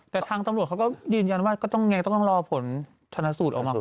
แต่ทางตำรวจเขาก็ยืนยันว่าก็ต้องไงต้องรอผลชนสูตรออกมาก่อน